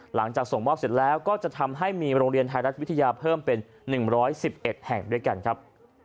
หลังจากส่งมอบเสร็จแล้วก็จะทำให้มีโรงเรียนไทยรัฐวิทยาเพิ่มเป็น๑๑๑แห่งด้วยกันครับ